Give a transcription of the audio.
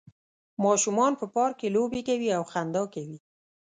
ماشومان په پارک کې لوبې کوي او خندا کوي